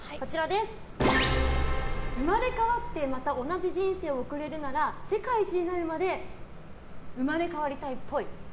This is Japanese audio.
生まれ変わってまた同じ人生を送れるなら世界一になるまで生まれ変わりたいっぽい。